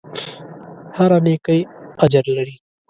هره نېکۍ اجر لري.